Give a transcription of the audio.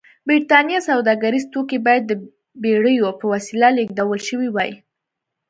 برېټانیا سوداګریز توکي باید د بېړیو په وسیله لېږدول شوي وای.